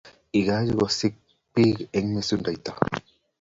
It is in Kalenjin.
Igochi kosik bik eng' mesundeito